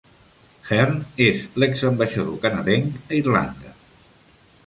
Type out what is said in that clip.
Hearn és l'exambaixador canadenc a Irlanda.